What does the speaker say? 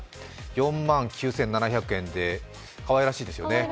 ４万９７００円でかわいらしいですよね。